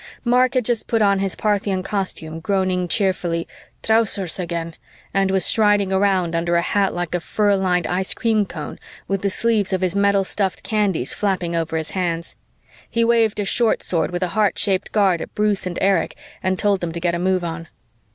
Mark had just put on his Parthian costume, groaning cheerfully, "Trousers again!" and was striding around under a hat like a fur lined ice cream cone and with the sleeves of his metal stuffed candys flapping over his hands. He waved a short sword with a heart shaped guard at Bruce and Erich and told them to get a move on.